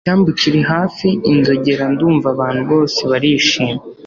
Icyambu kiri hafi inzogera ndumva abantu bose barishima